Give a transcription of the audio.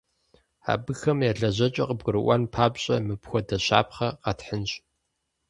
Абыхэм я лэжьэкӏэр къыбгурыӏуэн папщӏэ, мыпхуэдэ щапхъэ къэтхьынщ.